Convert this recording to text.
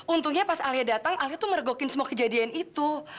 untungnya pas alia datang alia tuh meregokin semua kejadian itu